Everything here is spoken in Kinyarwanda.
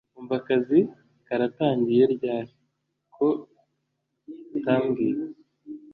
Umva akazi karatangira ryari? ko utambwiye